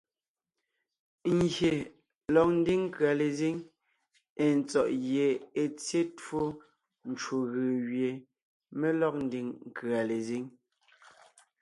Ngyè lɔg ńdiŋ nkʉ̀a lezíŋ èe tsɔ̀ʼ gie è tsyé twó ncwò gʉ̀ gẅie mé lɔg ńdiŋ nkʉ̀a lezíŋ.